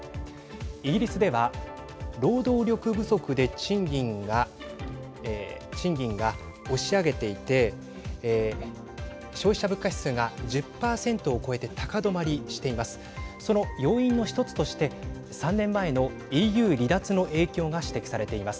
イギリスでは労働力不足で賃金が押し上げていて消費者物価指数が１０％を超えて高止まりしています。